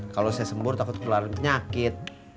kalau saya sembuh takut keluarin penyakit